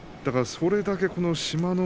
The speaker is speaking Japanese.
それだけ志摩ノ